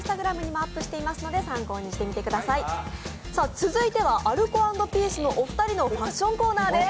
続いてはアルコ＆ピースのお二人のファッションコーナーです。